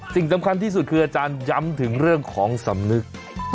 สิ่งสำคัญที่สุดคืออาจารย์ย้ำถึงเรื่องของสำนึก